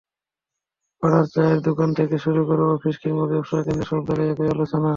পাড়ার চায়ের দোকান থেকে শুরু করে অফিস কিংবা ব্যবসাকেন্দ্র—সব জায়গায় একই আলোচনা।